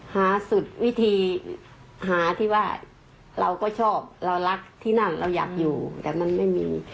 หาสุดวิธีหาที่ว่าเราก็ชอบเรารักที่นั่นเราอยากอยู่แต่มันไม่มี